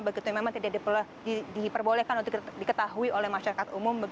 begitu memang tidak diperbolehkan untuk diketahui oleh masyarakat umum